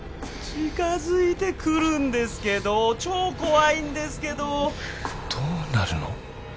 近づいてくるんですけど超怖いんですけどどうなるの？